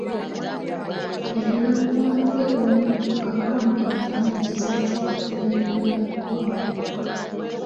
Yalina mukwano gwe omu nga bambi alina ekizibu ky'okutuuyanirira mu nkwawa.